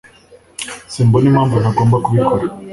Simbona impamvu ntagomba kubikora.